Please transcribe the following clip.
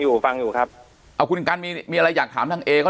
อยู่ฟังอยู่ครับเอาคุณกันมีมีอะไรอยากถามทางเอเขา